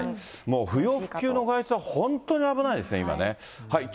もう不要不急の外出は本当に危ないですね、今ね。